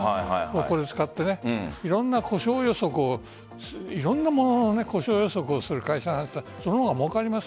これを使っていろんな物の故障予測をする会社その方がもうかります。